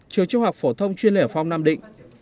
trường châu học phổ thông chuyên lễ phong nam định